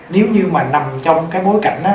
nếu như mà nằm trong cái bối cảnh á